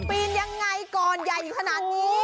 ปีนยังไงก่อนใหญ่ขนาดนี้